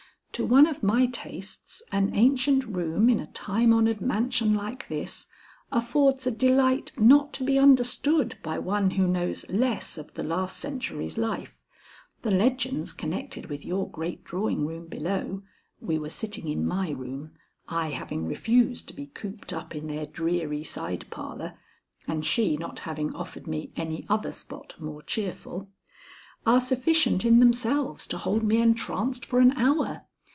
To one of my tastes an ancient room in a time honored mansion like this, affords a delight not to be understood by one who knows less of the last century's life. The legends connected with your great drawing room below [we were sitting in my room, I having refused to be cooped up in their dreary side parlor, and she not having offered me any other spot more cheerful] are sufficient in themselves to hold me entranced for an hour.